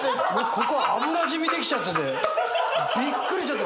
ここ油染み出来ちゃっててびっくりしちゃった。